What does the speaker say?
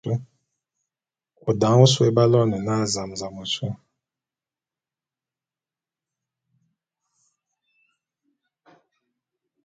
O dane ôsôé b'aloene na zam-zam ôsôé.